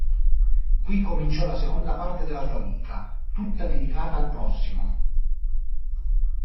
Qui cominciò la seconda parte della sua vita, tutta dedicata al prossimo.